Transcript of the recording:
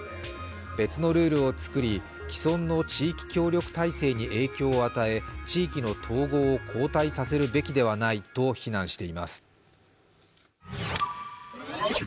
別のルールを作り、既存の地域協力体制に影響を与え地域の統合を後退させるべきではないと非難しています。